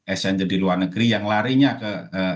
essenger di luar negeri yang larinya ke